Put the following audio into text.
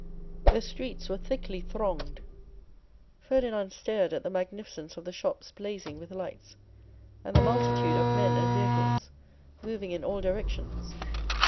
The streets were thickly thronged. Ferdinand stared at the magnificence of the shops blazing with lights, and the multitude of men and vehicles moving in all directions.